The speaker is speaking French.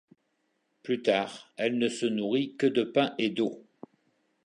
Plus tard, elle ne se nourrit que de pain et d'eau.